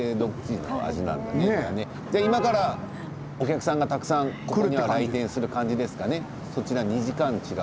今からお客さんがたくさん来て回転する感じですかね。